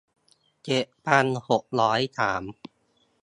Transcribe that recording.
เจ็ดพันหกร้อยสาม